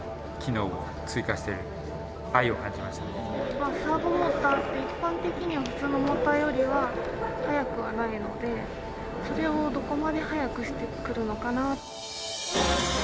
サーボモーターって一般的には普通のモーターよりは速くはないのでそれをどこまで速くしてくるのかな。